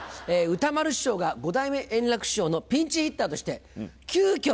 歌丸師匠が五代目圓楽師匠のピンチヒッターとして急きょ